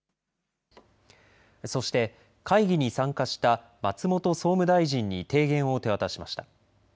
そして会議に参加した松本総務大臣に提言を手渡しました。